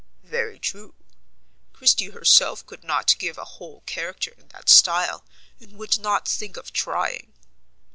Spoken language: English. "Very true: Christie herself could not give a whole character in that style, and would not think of trying."